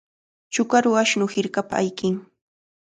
Chukaru ashnu hirkapa ayqin.